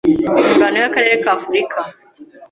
ingano y'akarere k'Afurika